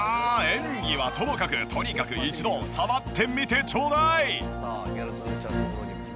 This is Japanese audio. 演技はともかくとにかく一度触ってみてちょうだい！